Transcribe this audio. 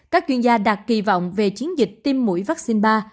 các chuyên gia đặt kỳ vọng về chiến dịch tiêm mũi vaccine ba